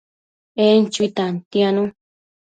En chui tantianu